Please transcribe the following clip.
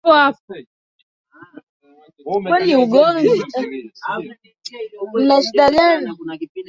James hakufika mapema jana na leo